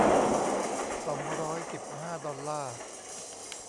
สองร้อยสิบห้า ดอลลาร์